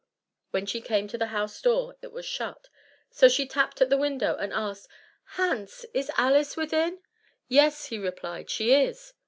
When she came to the house door it was shut; so she tapped at the window, and asked, "Hans, is Alice within?" "Yes," he replied, "she is."